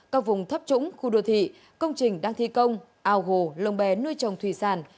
các vùng thấp trũng khu đô thị công trình đang thi công ao hồ lồng bé nuôi trồng thủy sản